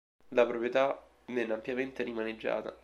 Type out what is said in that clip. La proprietà venne ampiamente rimaneggiata.